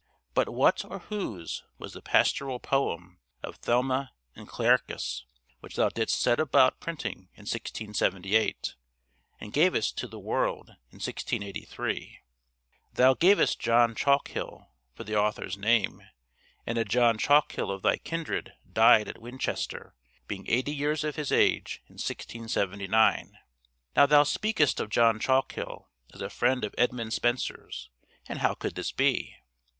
But what or whose was the pastoral poem of 'Thealma and Clearchus,' which thou didst set about printing in 1678, and gavest to the world in 1683? Thou gavest John Chalkhill for the author's name, and a John Chalkhill of thy kindred died at Winchester, being eighty years of his age, in 1679. Now thou speakest of John Chalkhill as 'a friend of Edmund Spenser's,' and how could this be?